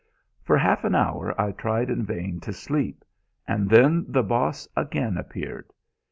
For half an hour I tried in vain to sleep, and then the Boss again appeared.